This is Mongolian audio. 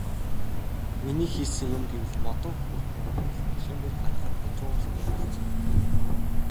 Миний хийсэн юм гэвэл модон хөхүүртэй айргийг л машин дээр гаргахад хажуугаас нь өргөлцөв.